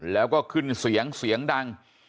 แล้วก็ขึ้นเสียงเสียงดัง